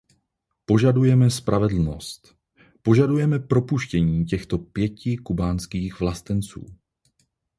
Požadujeme spravedlnost, požadujeme propuštění těchto pěti kubánských vlastenců.